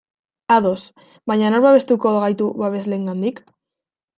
Ados, baina nork babestuko gaitu babesleengandik?